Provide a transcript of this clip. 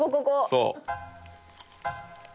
そう。